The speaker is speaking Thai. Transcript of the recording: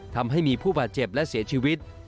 ทำให้มีผู้บาดเจ็บและเสียชีวิต